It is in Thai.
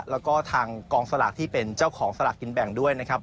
แล้วก็ทางกองสลากที่เป็นเจ้าของสลากกินแบ่งด้วยนะครับ